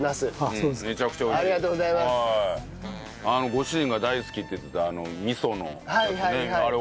ご主人が大好きって言ってた味噌のやつね